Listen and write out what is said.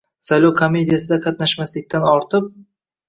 saylov komediyasida qatnashmaslikdan ortib